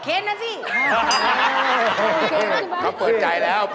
แคลนส์เปิดใจแล้ว